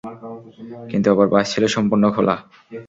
কিন্তু অপর পাশ ছিল সম্পূর্ণ খোলা।